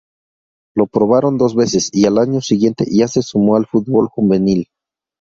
Lo probaron dos veces y al año siguiente, ya se sumó al fútbol juvenil.